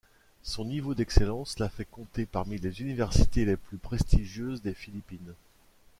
Son niveau d'excellence la fait compter parmi les universités les plus prestigieuses des Philippines.